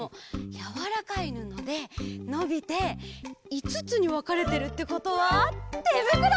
やわらかいぬのでのびていつつにわかれてるってことはてぶくろ！